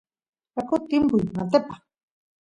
yakut timpuy matepaq